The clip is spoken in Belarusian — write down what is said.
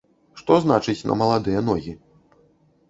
Што значыць на маладыя ногі?